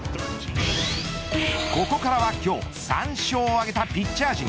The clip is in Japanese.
ここからは、今日３勝を挙げたピッチャー陣。